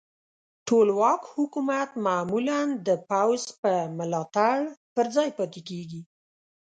ټولواک حکومت معمولا د پوځ په ملاتړ پر ځای پاتې کیږي.